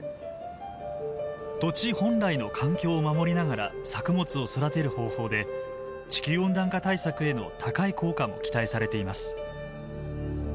土地本来の環境を守りながら作物を育てる方法で地球温暖化対策への高い効果も期待されています。